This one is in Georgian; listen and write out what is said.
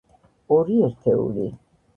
ორი ერთეული.